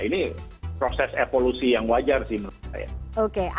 ini proses evolusi yang wajar sih menurut saya